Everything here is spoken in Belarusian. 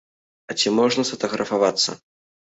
А ці можна сфатаграфавацца?